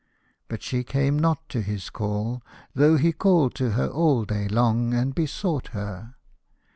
But she came not to his call, though he called to her all day lonof and besought her.